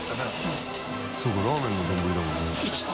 Δ鵝そうかラーメンの丼だもんね。